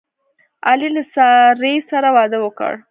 علي له سارې سره واده وکړ.